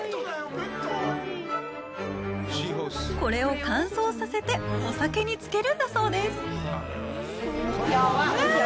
これを乾燥させてお酒に漬けるんだそうです。